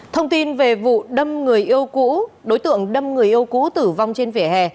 thông tin về vụ đâm người yêu cũ đối tượng đâm người yêu cũ tử vong trên vỉa hè